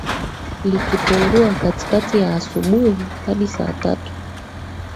likipungua katikati ya asubuhi hadi saa tatu